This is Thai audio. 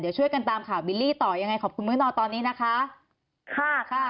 เดี๋ยวช่วยกันตามข่าวบิลลี่ต่อยังไงขอบคุณมื้อนอตอนนี้นะคะค่ะ